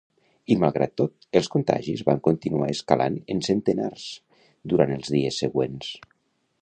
I, malgrat tot, els contagis van continuar escalant en centenars durant els dies següents.